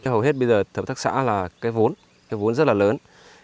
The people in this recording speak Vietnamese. hầu hết bây giờ hợp tác xã là cái vốn cái vốn rất là lớn